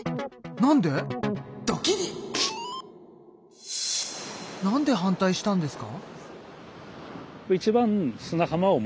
なんで反対したんですか？